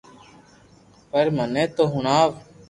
پر مني تو ھڻاو